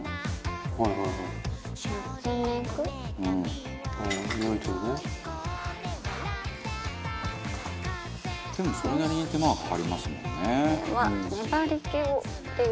「でもそれなりに手間がかかりますもんね」